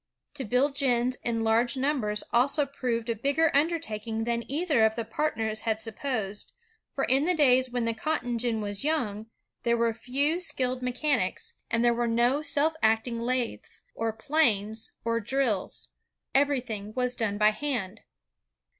To build gins in large numbers also proved a bigger undertaking than either of the partners had supposed, for in the days when the cotton gin was young, there were few skilled mechanics, and ELI WHITNEY II7 there were no self acting lathes, or planes, or drills. Everything was done by hand.